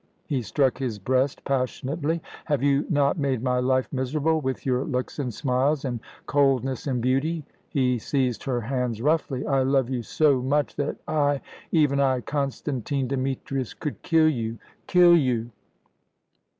he struck his breast passionately. "Have you not made my life miserable with your looks and smiles and coldness and beauty?" He seized her hands roughly. "I love you so much that I even I, Constantine Demetrius could kill you kill you."